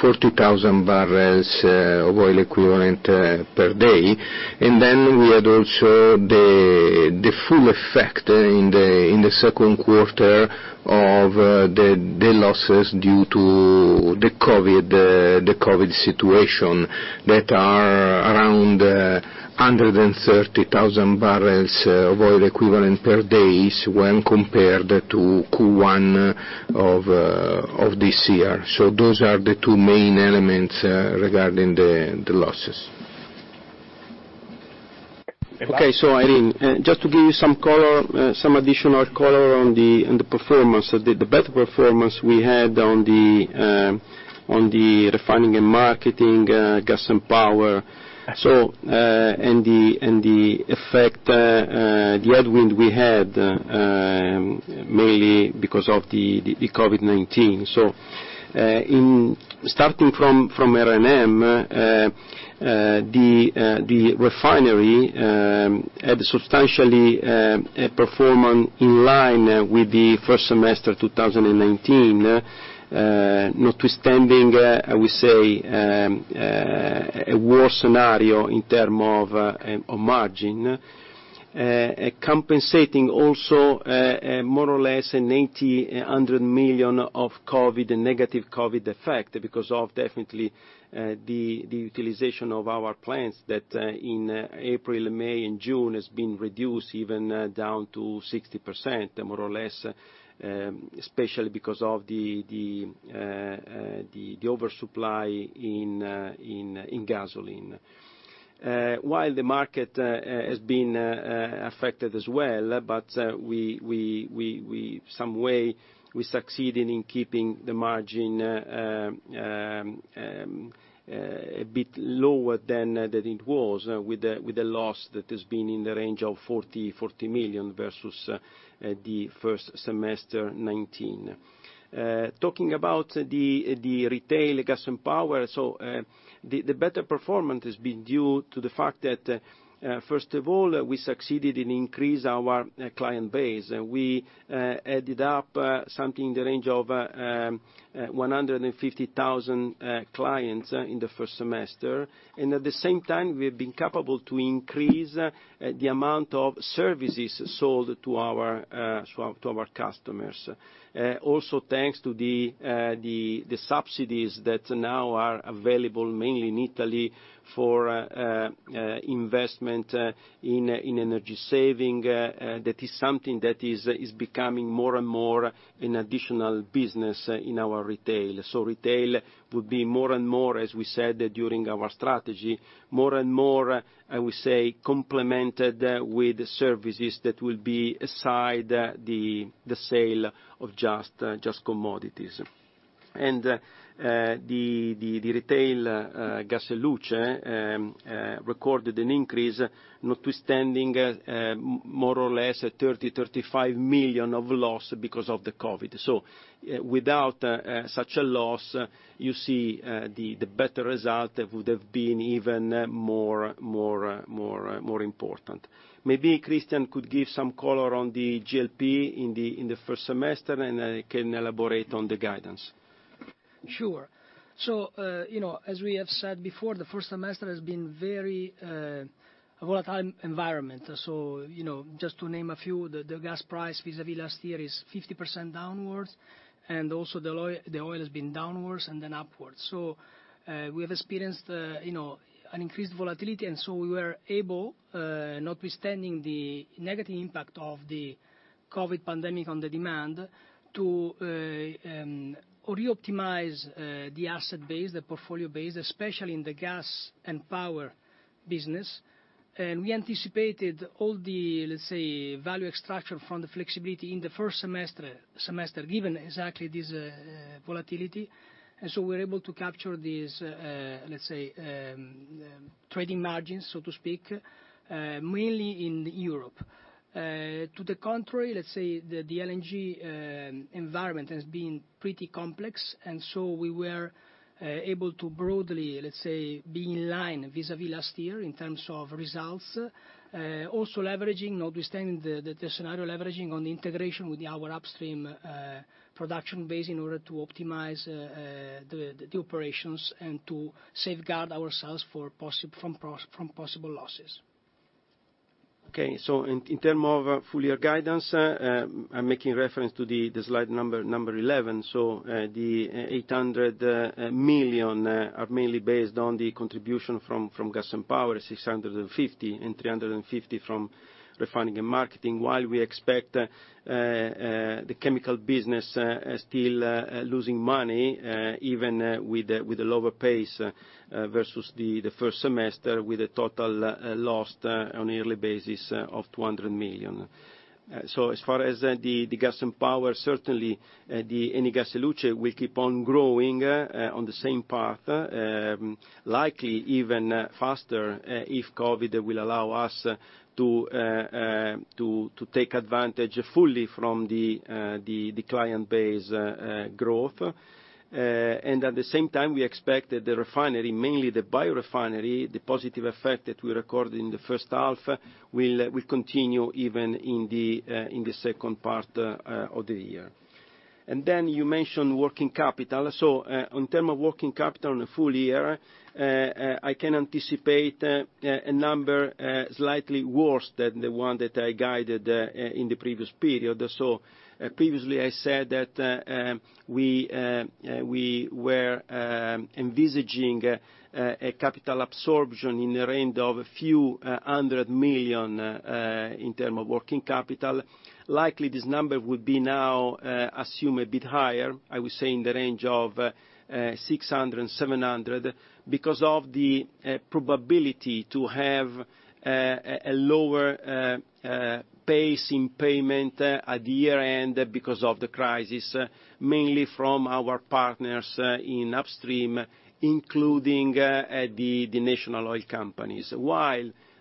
40,000 bbls of oil equivalent per day. Then we had also the full effect in the second quarter of the losses due to the COVID situation that are around 130,000 bbls of oil equivalent per day when compared to Q1 of this year. Those are the two main elements regarding the losses. Okay. Irene, just to give you some additional color on the performance, the better performance we had on the Refining & Marketing, Gas & Power, and the effect, the headwind we had, mainly because of the COVID-19. Starting from R&M, the refinery had substantially a performance in line with the first semester 2019, notwithstanding, I would say, a worse scenario in term of margin, compensating also more or less an 80 million-100 million of negative COVID effect because of definitely the utilization of our plants that in April, May, and June has been reduced even down to 60%, more or less, especially because of the oversupply in gasoline. The market has been affected as well, but some way, we succeeded in keeping the margin a bit lower than it was with the loss that has been in the range of 40 million versus the first semester 2019. Talking about the Eni gas e luce, the better performance has been due to the fact that, first of all, we succeeded in increase our client base. We added up something in the range of 150,000 clients in the first semester. At the same time, we've been capable to increase the amount of services sold to our customers. Also, thanks to the subsidies that now are available mainly in Italy for investment in energy saving. That is something that is becoming more and more an additional business in our retail. Retail would be more and more, as we said during our strategy, more and more, I would say, complemented with services that will be aside the sale of just commodities. The Eni gas e luce recorded an increase notwithstanding more or less a 30 million-35 million of loss because of the COVID-19. Without such a loss, you see the better result would have been even more important. Maybe Cristian could give some color on the GLP in the first semester, and I can elaborate on the guidance. Sure. As we have said before, the first semester has been very volatile environment. Just to name a few, the gas price vis-a-vis last year is 50% downwards, and also the oil has been downwards and then upwards. We have experienced an increased volatility, and so we were able, notwithstanding the negative impact of the COVID-19 pandemic on the demand, to re-optimize the asset base, the portfolio base, especially in the Gas & Power business. We anticipated all the, let's say, value extraction from the flexibility in the first semester, given exactly this volatility. We were able to capture these, let's say, trading margins, so to speak, mainly in Europe. To the contrary, let's say the LNG environment has been pretty complex, and so we were able to broadly, let's say, be in line vis-a-vis last year in terms of results. Notwithstanding the scenario leveraging on the integration with our upstream production base in order to optimize the operations and to safeguard ourselves from possible losses. Okay, in terms of full year guidance, I am making reference to slide number 11. The 800 million are mainly based on the contribution from Gas & Power, 650 and 350 from Refining & Marketing. While we expect the chemical business still losing money, even with the lower pace versus the first semester, with a total loss on a yearly basis of 200 million. As far as the Gas & Power, certainly, the Eni gas e luce will keep on growing on the same path. Likely even faster, if COVID-19 will allow us to take advantage fully from the client base growth. At the same time, we expect that the refinery, mainly the biorefinery, the positive effect that we recorded in the first half, will continue even in the second part of the year. You mentioned working capital. On term of working capital on the full year, I can anticipate a number slightly worse than the one that I guided in the previous period. Previously, I said that we were envisaging a capital absorption in the range of EUR a few hundred million, in term of working capital. Likely, this number would be now assumed a bit higher, I would say in the range of 600-700, because of the probability to have a lower pace in payment at the year-end because of the crisis, mainly from our partners in upstream, including the national oil companies.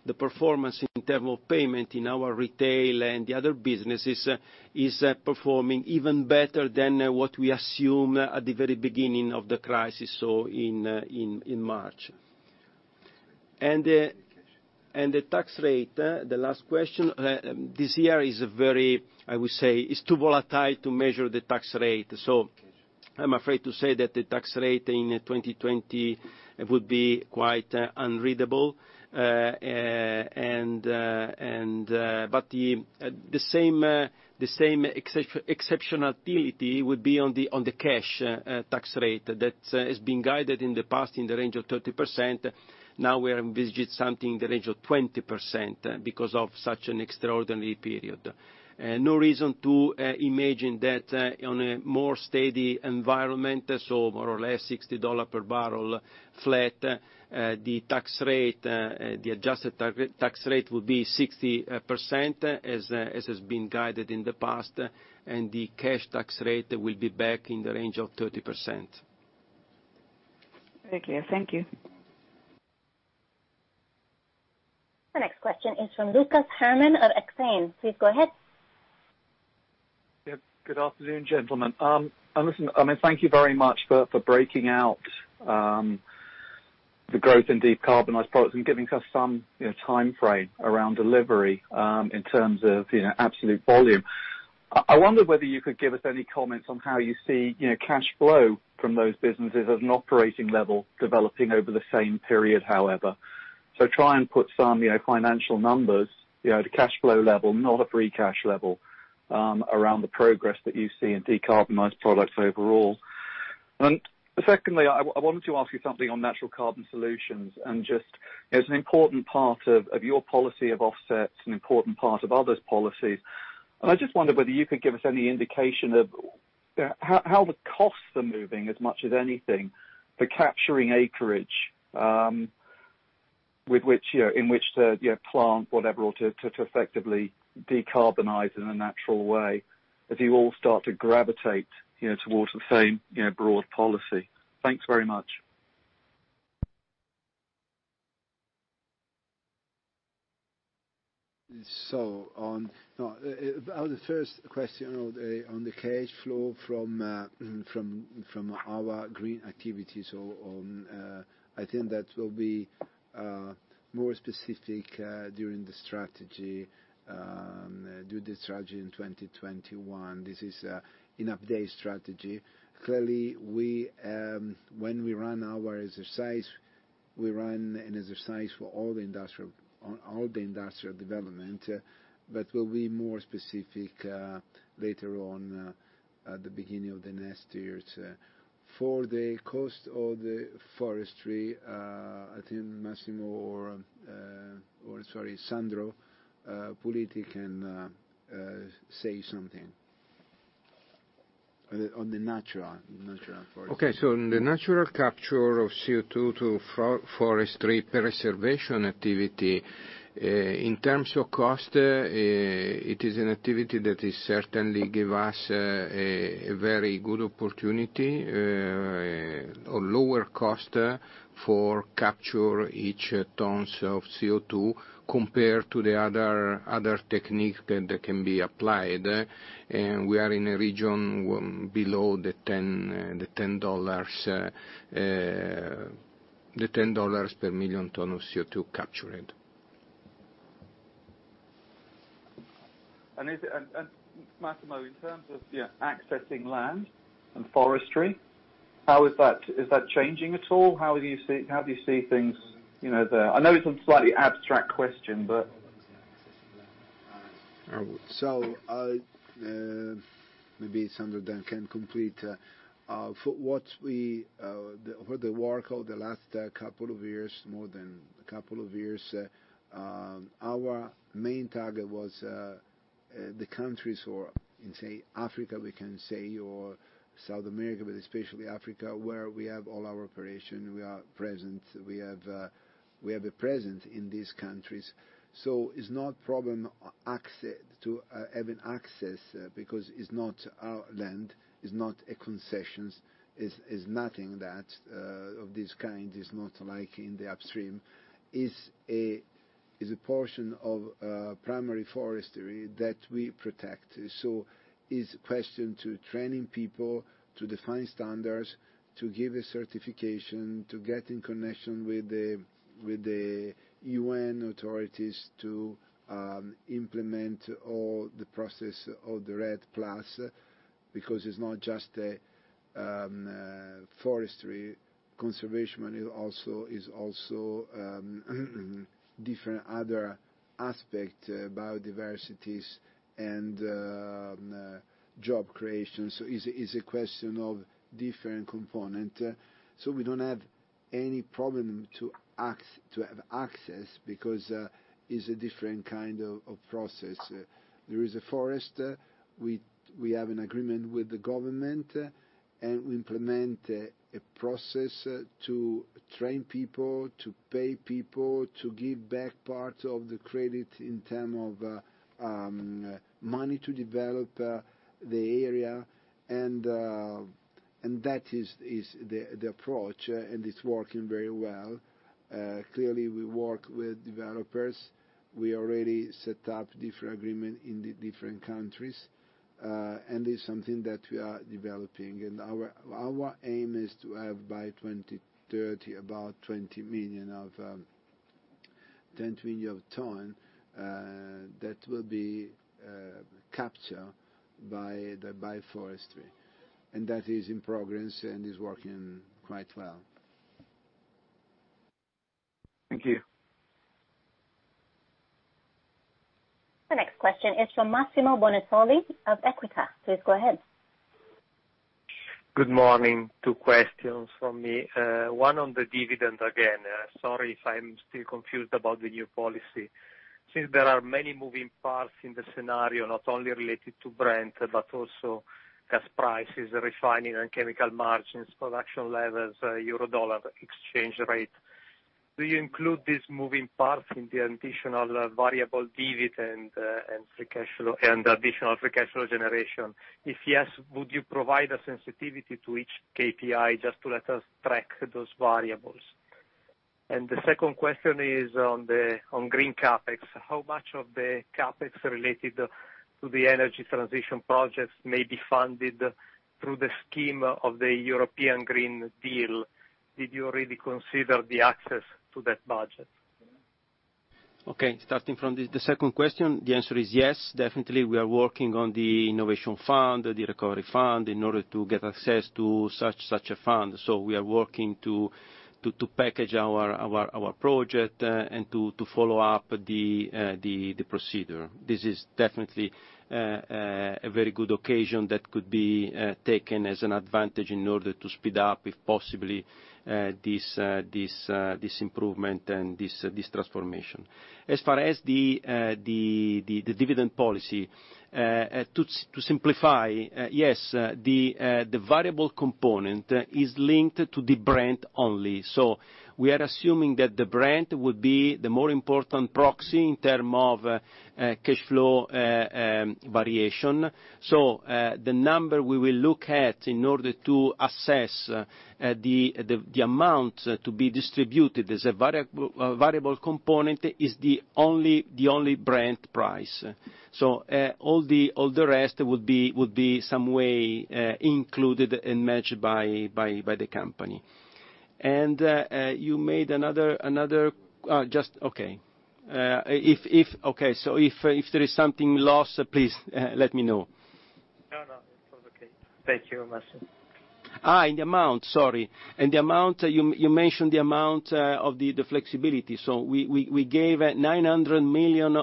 The performance in term of payment in our retail and the other businesses is performing even better than what we assumed at the very beginning of the crisis in March. The tax rate, the last question. This year is very, I would say, is too volatile to measure the tax rate. I'm afraid to say that the tax rate in 2020 would be quite unreadable. The same exceptionality would be on the cash tax rate that has been guided in the past in the range of 30%. Now we are envisaging something in the range of 20% because of such an extraordinary period. No reason to imagine that on a more steady environment, more or less $60 per bbl Brent flat, the adjusted tax rate will be 60%, as has been guided in the past, and the cash tax rate will be back in the range of 30%. Very clear. Thank you. The next question is from Lucas Herrmann of Exane. Please go ahead. Yep. Good afternoon, gentlemen. Listen, thank you very much for breaking out the growth in decarbonized products and giving us some timeframe around delivery in terms of absolute volume. I wonder whether you could give us any comments on how you see cash flow from those businesses at an operating level developing over the same period, however. Try and put some financial numbers, at a cash flow level, not a free cash level, around the progress that you see in decarbonized products overall. Secondly, I wanted to ask you something on natural carbon solutions and just as an important part of your policy of offsets, an important part of others' policies. I just wonder whether you could give us any indication of how the costs are moving as much as anything, the capturing acreage in which to plant whatever to effectively decarbonize in a natural way as you all start to gravitate towards the same broad policy. Thanks very much. On the first question on the cash flow from our green activities on. I think that will be more specific during the strategy in 2021. This is an update strategy. When we run our exercise, we run an exercise for all the industrial development, but we'll be more specific later on at the beginning of the next years. For the cost of the forestry, I think Massimo or, sorry, Sandro Puliti can say something on the natural. In the natural capture of CO2 to forestry preservation activity, in terms of cost, it is an activity that is certainly give us a very good opportunity or lower cost for capture each tons of CO2 compared to the other techniques that can be applied. We are in a region below 10 per million ton of CO2 captured. Massimo, in terms of accessing land and forestry, is that changing at all? How do you see things there? I know it's a slightly abstract question. Maybe Sandro then can complete. For the work of the last couple of years, more than a couple of years, our main target was the countries, in say Africa, we can say, or South America, but especially Africa, where we have all our operation. We are present. We have a presence in these countries. It's not problem having access, because it's not our land, it's not a concessions. It's nothing that of this kind. It's not like in the upstream. It's a portion of primary forestry that we protect. It's a question to training people, to define standards, to give a certification, to get in connection with the UN authorities to implement all the process of the REDD+, because it's not just a forestry conservation. It also is different other aspect, biodiversities and job creation. Is a question of different component. We don't have any problem to have access because it is a different kind of process. There is a forest. We have an agreement with the government, and we implement a process to train people, to pay people, to give back part of the credit in terms of money to develop the area. That is the approach, and it's working very well. Clearly, we work with developers. We already set up different agreements in the different countries. It's something that we are developing. Our aim is to have, by 2030, about 20 million tons that will be captured by forestry. That is in progress and is working quite well. Thank you. The next question is from Massimo Bonisoli of Equita. Please go ahead. Good morning. Two questions from me. One on the dividend again. Sorry if I'm still confused about the new policy. Since there are many moving parts in the scenario, not only related to Brent, but also gas prices, refining and chemical margins, production levels, euro/dollar exchange rate. Do you include these moving parts in the additional variable dividend, and additional free cash flow generation? If yes, would you provide a sensitivity to each KPI just to let us track those variables? The second question is on green CapEx. How much of the CapEx related to the energy transition projects may be funded through the scheme of the European Green Deal? Did you already consider the access to that budget? Okay. Starting from the second question, the answer is yes, definitely, we are working on the Innovation Fund, the Recovery Fund, in order to get access to such a fund. We are working to package our project, and to follow up the procedure. This is definitely a very good occasion that could be taken as an advantage in order to speed up, if possibly, this improvement and this transformation. As far as the dividend policy, to simplify, yes, the variable component is linked to the Brent only. We are assuming that the Brent would be the more important proxy in term of cash flow variation. The number we will look at in order to assess the amount to be distributed as a variable component is the only Brent price. All the rest would be some way included and managed by the company. You made another Okay. If there is something lost, please let me know. No, it's all okay. Thank you, Massimo. The amount, sorry. You mentioned the amount of the flexibility. We gave 900 million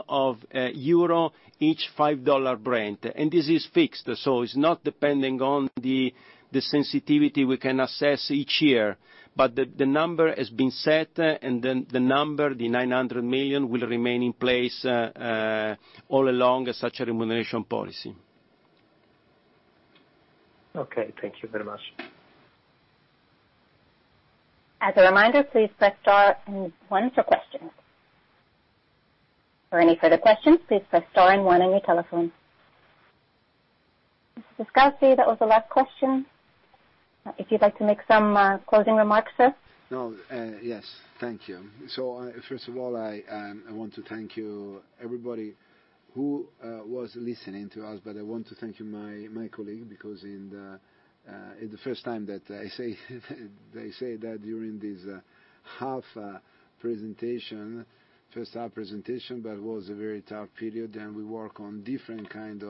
euro each $5 Brent, and this is fixed. It's not depending on the sensitivity we can assess each year. The number has been set, and then the 900 million will remain in place all along such a remuneration policy. Okay. Thank you very much. As a reminder, please press star and one for questions. For any further questions, please press star and one on your telephone. Mr. Descalzi, that was the last question. If you'd like to make some closing remarks, sir. Thank you. First of all, I want to thank you, everybody who was listening to us. I want to thank you my colleague, because in the first time that I say that during this first half presentation, it was a very tough period. We work on different kind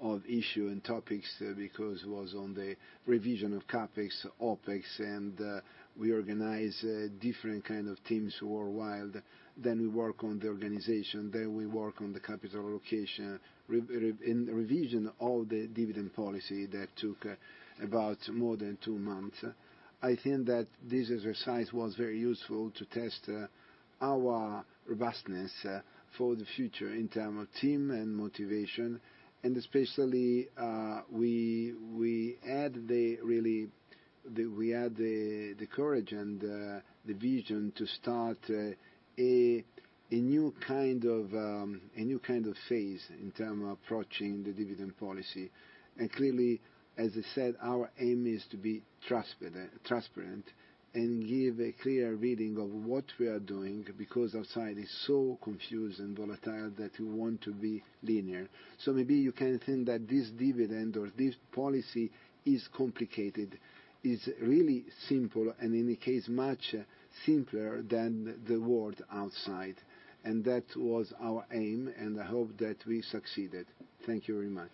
of issue and topics because was on the revision of CapEx, OpEx, and we organize different kind of teams worldwide. We work on the organization. We work on the capital location, in revision of the dividend policy that took about more than two months. I think that this exercise was very useful to test our robustness for the future in term of team and motivation. Especially, we had the courage and the vision to start a new kind of phase in term of approaching the dividend policy. Clearly, as I said, our aim is to be transparent and give a clear reading of what we are doing, because outside is so confused and volatile that we want to be linear. Maybe you can think that this dividend or this policy is complicated. It is really simple, and in any case, much simpler than the world outside. That was our aim, and I hope that we succeeded. Thank you very much.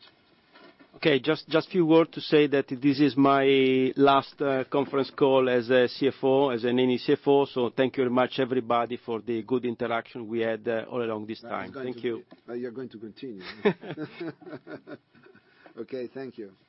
Okay. Just few words to say that this is my last conference call as a CFO, as an Eni CFO. Thank you very much everybody for the good interaction we had all along this time. Thank you. You're going to continue. Okay. Thank you.